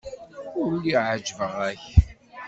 Ur lliɣ ɛejbeɣ-ak.